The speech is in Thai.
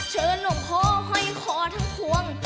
เชิญหลวงพ่อหอยคอทั้งควง